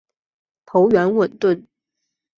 头圆吻钝。